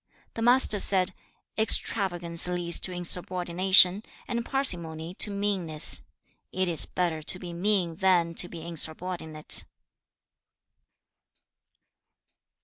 The Master said, 'Extravagance leads to insubordination, and parsimony to meanness. It is better to be mean than to be insubordinate.'